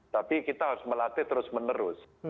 tapi kita harus melatih terus menerus